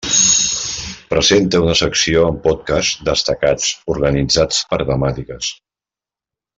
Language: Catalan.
Presenta una secció amb podcasts destacats, organitzats per temàtiques.